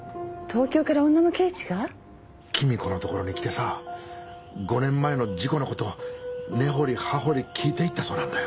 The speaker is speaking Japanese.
君子のところに来てさ５年前の事故のことを根掘り葉掘り聞いていったそうなんだよ。